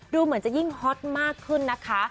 ดูเหมือนจะยิ่งฮอตมากขึ้นนะคะ